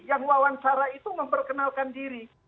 yang wawancara itu memperkenalkan diri